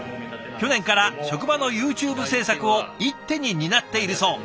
去年から職場のＹｏｕＴｕｂｅ制作を一手に担っているそう。